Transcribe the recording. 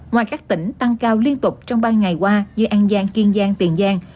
ngoài các tỉnh tăng cao liên tục trong ba ngày qua như an giang kiên giang tiền giang